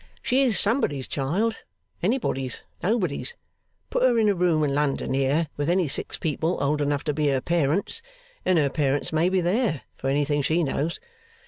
She is somebody's child anybody's, nobody's. Put her in a room in London here with any six people old enough to be her parents, and her parents may be there for anything she knows.